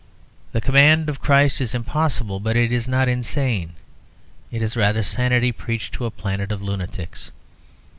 The command of Christ is impossible, but it is not insane; it is rather sanity preached to a planet of lunatics.